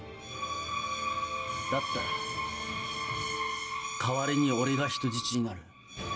だったら代わりに俺が人質になる。